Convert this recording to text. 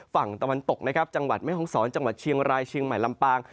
ฝั่งตะวันตกนะครับจังหวัดแม่ห้องศรจังหวัดเชียงรายเชียงใหม่ลำปาง